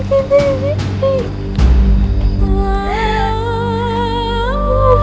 aku harus ke banyak jarak